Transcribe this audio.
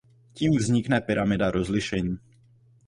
Tím vznikne pyramida rozlišení.